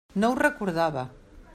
No ho recordava.